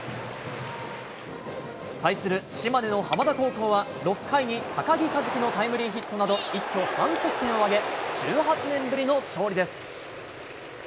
対する島根の浜田高校は、６回に高木和輝のタイムリーヒットなど、一挙３得点を挙げ、１８年ぶりの勝利です。